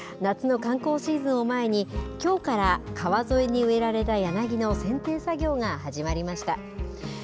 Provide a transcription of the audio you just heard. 夏の観光シーズンを前に、きょうから川沿いに植えられた柳のせんてい作業が始まりました。